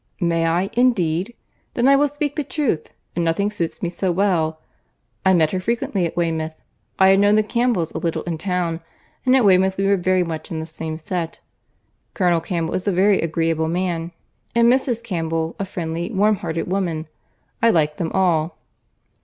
"May I, indeed?—Then I will speak the truth, and nothing suits me so well. I met her frequently at Weymouth. I had known the Campbells a little in town; and at Weymouth we were very much in the same set. Colonel Campbell is a very agreeable man, and Mrs. Campbell a friendly, warm hearted woman. I like them all."